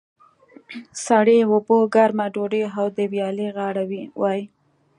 سړې اوبه، ګرمه ډودۍ او د ویالې غاړه وای.